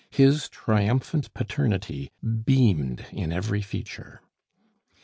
His triumphant paternity beamed in every feature.